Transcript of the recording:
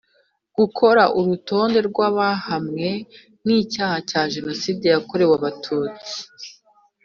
Gukora urutonde rw abahamwe n icyaha cya Jenoside yakorewe Abatutsi